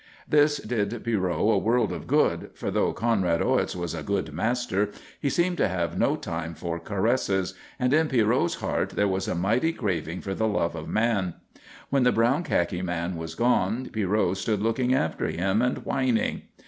This did Pierrot a world of good, for though Conrad Orts was a good master he seemed to have no time for caresses, and in Pierrot's heart there was a mighty craving for the love of man. When the brown khaki man was gone Pierrot stood looking after him and whining.